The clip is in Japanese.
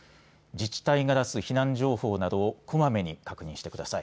自治体が出す避難情報などをこまめに確認してください。